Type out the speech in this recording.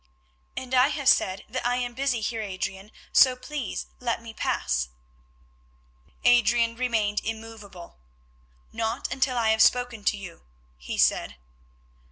"And I have said that I am busy, Heer Adrian, so please let me pass." Adrian remained immovable. "Not until I have spoken to you," he said.